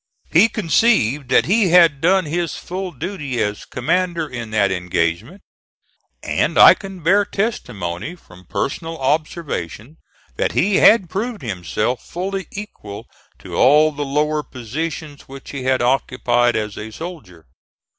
He conceived that he had done his full duty as commander in that engagement; and I can bear testimony, from personal observation, that he had proved himself fully equal to all the lower positions which he had occupied as a soldier.